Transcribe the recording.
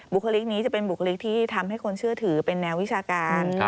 บุคลิกนี้จะเป็นบุคลิกที่ทำให้คนเชื่อถือเป็นแนววิชาการ